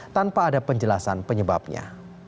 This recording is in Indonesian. tanpa ada penjelasan penyebabnya